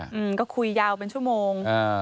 อืมก็คุยยาวเป็นชั่วโมงอ่า